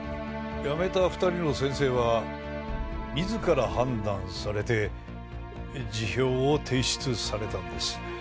辞めた２人の先生は自ら判断されて辞表を提出されたんです。